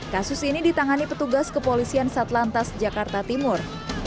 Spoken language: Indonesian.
kasus ini ditangani petugas kepolisian satlantas jakarta timur